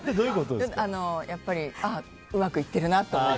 やっぱりうまくいってるなって思って。